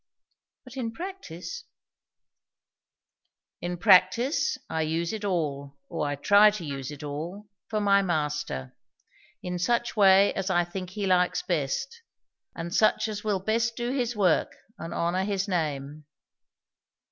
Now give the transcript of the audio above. "But in practice " "In practice I use it all, or I try to use it all, for my Master; in such way as I think he likes best, and such as will best do his work and honour his name."